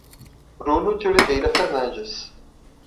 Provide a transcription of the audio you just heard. Bruno de Oliveira Fernandes